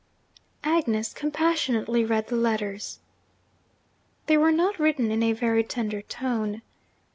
Agnes compassionately read the letters. They were not written in a very tender tone.